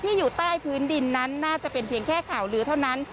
อยู่ใต้พื้นดินนั้นน่าจะเป็นเพียงแค่ข่าวลือเท่านั้น